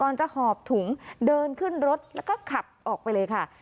จะหอบถุงเดินขึ้นรถแล้วก็ขับออกไปเลยค่ะ